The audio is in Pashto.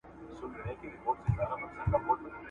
ساده خواړه تیار کړئ.